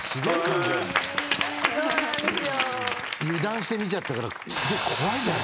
油断して見ちゃったから。